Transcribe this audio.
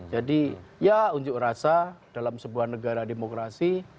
jadi ya unjuk rasa dalam sebuah negara demokrasi